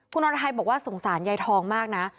คุณอรไทยบอกว่าสงสารยายทองมากนะ